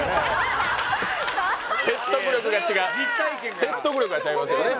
実体験から説得力がちゃいますよね